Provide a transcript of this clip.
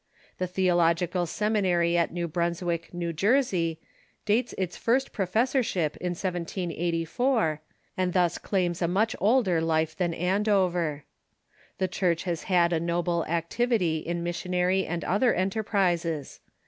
The theological semi nary at New Brunswick, New Jersey, dates its first professor ship in 1784, and thus claims a much older life than Andover. The Church has had a noble activity in missionary and other enterprises.